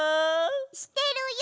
してるよ！